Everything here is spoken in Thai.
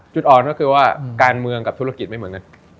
จุดอ่อนก็คือว่าการเมืองกับธุรกิจไม่เหมือนกัน